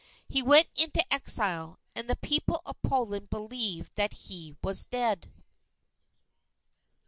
He went into exile, and the people of Poland believed that he was dead.